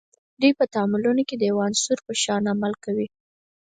دوی په تعاملونو کې د یوه عنصر په شان عمل کوي.